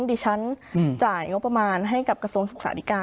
ดิฉันจ่ายงบประมาณให้กับกระทรวงศึกษาธิการ